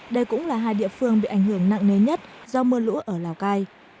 đây cũng là hai địa phương bị ảnh hưởng nặng nề nhất do mưa lũ ở lào cai